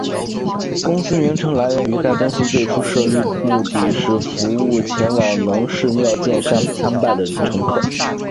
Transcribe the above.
公司名称来源于该公司最初设立目的是服务前往能势妙见山参拜的乘客。